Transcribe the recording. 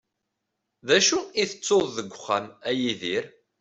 D acu i tettuḍ deg wexxam, a Yidir?